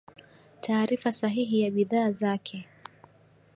Taarifa sahihi ya bidhaa zake